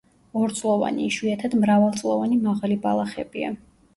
ორწლოვანი, იშვიათად მრავალწლოვანი მაღალი ბალახებია.